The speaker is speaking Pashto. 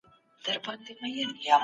د عقیدې ازادي د فکر د ازادۍ سره تړلې ده.